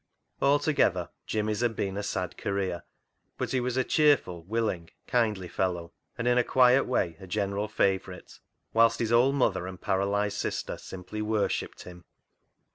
Altogether, Jimmy's had been a sad career ; but he was a cheerful, will ing, kindly fellow, and in a quiet way a general favourite, whilst his old mother and paralysed sister simply worshipped him.